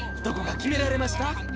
どこか決められました？